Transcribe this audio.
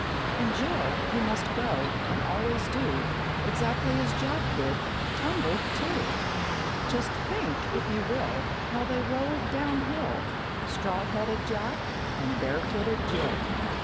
And Jill, who must go And always do Exactly as Jack did, tumbled too! Just think, if you will, How they rolled down hill Straw headed Jack and bare footed Jill!